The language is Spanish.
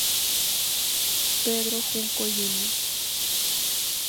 Pedro Junco Jr.